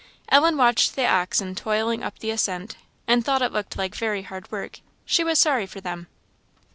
Ellen watched the oxen toiling up the ascent, and thought it looked like very hard work; she was sorry for them.